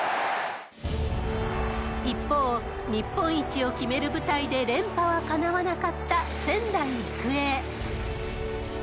一方、日本一を決める舞台で連覇はかなわなかった仙台育英。